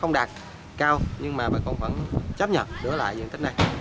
không đạt cao nhưng mà bà con vẫn chấp nhận đỡ lại diện tích này